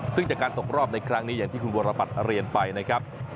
ซึ่งจากการตกรอบในครั้งนี้อย่างที่คุณวรบัตรเรียนไปนะครับ